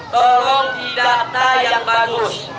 tolong data yang bagus